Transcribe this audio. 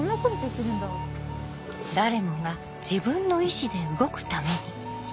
誰もが自分の意思で動くために。